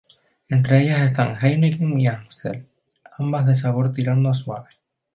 Entre ellas están Heineken y Amstel, ambas de sabor tirando a suave.